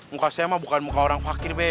muka saya mah bukan muka orang fakir deh